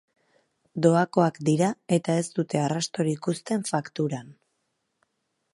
Doakoak dira eta ez dute arrastorik uzten fakturan.